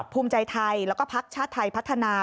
ภูมิใจไทยแล้วก็พักชาติไทยพัฒนา